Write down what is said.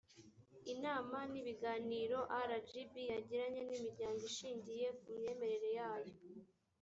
inama n ibiganiro rgb yagiranye n imiryango ishingiye ku myemerere yayo